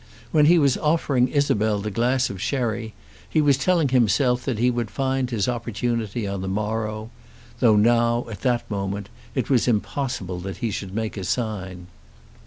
When he was offering Isabel the glass of sherry he was telling himself that he would find his opportunity on the morrow, though now, at that moment, it was impossible that he should make a sign.